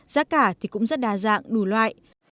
giá cả thì cũng rất đa dạng đủ loại